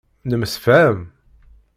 Nemsefham?